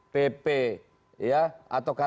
pernah gak baru ini pak